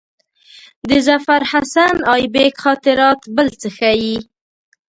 د ظفرحسن آیبک خاطرات بل څه ښيي.